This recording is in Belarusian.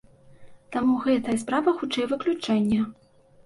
Таму гэтая справа хутчэй выключэнне.